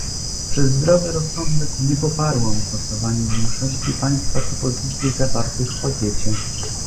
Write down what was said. Przez zdrowy rozsądek nie poparłam w głosowaniu większości państwa propozycji zawartych w pakiecie